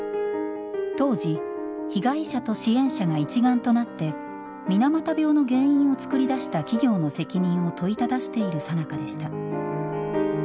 当時被害者と支援者が一丸となって水俣病の原因を作り出した企業の責任を問いただしているさなかでした。